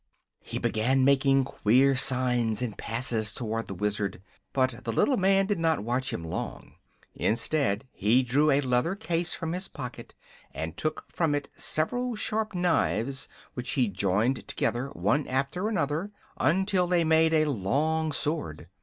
He began making queer signs and passes toward the Wizard; but the little man did not watch him long. Instead, he drew a leathern case from his pocket and took from it several sharp knives, which he joined together, one after another, until they made a long sword.